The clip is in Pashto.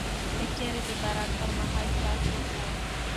که چيري د باران پر مهال ستاسو په